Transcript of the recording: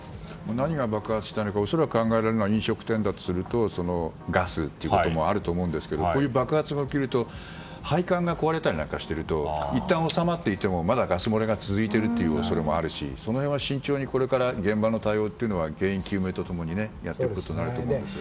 何が爆発したのか恐らく考えられるのが飲食店だとするとガスということもあると思うんですがこういう爆発が起きて配管が壊れていたりするといったん収まっていてもまだガス漏れが続いているという恐れもあるしその辺は慎重にこれから現場の対応が原因究明と共にやっていくことになると思いますが。